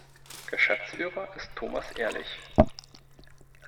Geschäftsführer ist Thomas Ehrlich.